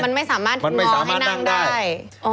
มันไม่สามารถมองให้นั่งได้